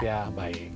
halo sintia baik